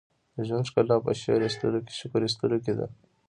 • د ژوند ښکلا په شکر ایستلو کې ده.